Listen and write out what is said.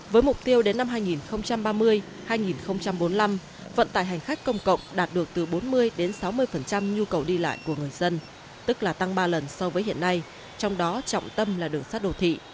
với mục tiêu đến năm hai nghìn ba mươi hai nghìn bốn mươi năm vận tải hành khách công cộng đạt được từ bốn mươi sáu mươi nhu cầu đi lại của người dân tức là tăng ba lần so với hiện nay trong đó trọng tâm là đường sát đô thị